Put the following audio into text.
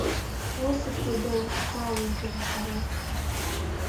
О сыд фэдэ уса угу рихьырэр?